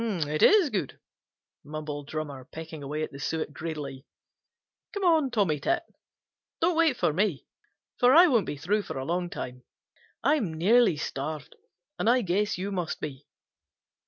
"It is good," mumbled Drummer, pecking away at the suet greedily. "Come on, Tommy Tit. Don't wait for me, for I won't be through for a long time. I'm nearly starved, and I guess you must be."